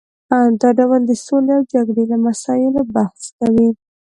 دا ډول د سولې او جګړې له مسایلو بحث کوي